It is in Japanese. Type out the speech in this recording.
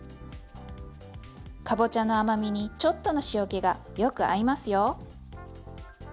かぼちゃの甘みにちょっとの塩気がよく合いますよ。